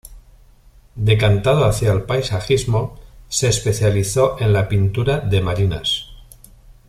Decantado hacia el paisajismo, se especializó en la pintura de marinas.